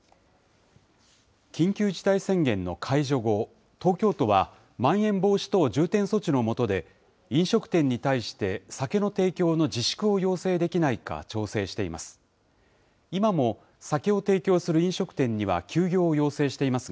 緊急事態宣言の解除後、東京都はまん延防止等重点措置の下で、飲食店に対して酒の提供の自粛を要請できないか調整しています。